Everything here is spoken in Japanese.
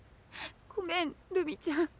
ごめんるみちゃん。